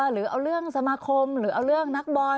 หรือเอาเรื่องสมาคมหรือเอาเรื่องนักบอล